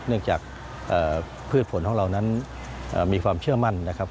เนื่องจากพืชผลของเรานั้นมีความเชื่อมั่นนะครับ